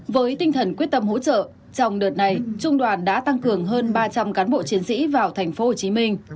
với tinh thần quyết tâm hỗ trợ trong đợt này trung đoàn đã tăng cường hơn ba trăm linh cán bộ chiến sĩ vào tp hcm